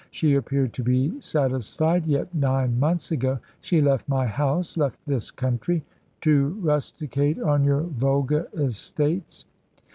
She appeared to be satisfied; yet nine months ago she left my house left this country " "To rusticate on your Volga estates."